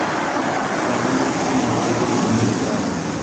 د ارغنداب سیند د خلکو د امید څراغ دی.